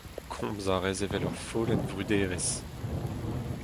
Komz a rez evel ur follenn vruderezh.